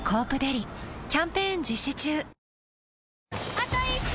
あと１周！